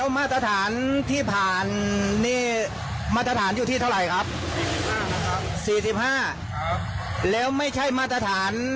มาตรฐานเดียวกับขนส่งหรือเปล่าครับ